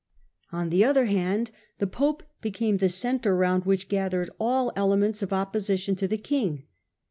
On the other hand the pope became the centre round which gathered all elements of opposition to the king.